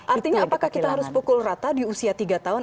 artinya apakah kita harus pukul rata di usia tiga tahun